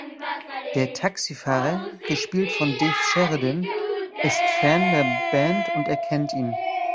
Der Taxifahrer (gespielt von Dave Sheridan) ist Fan der Band und erkennt ihn.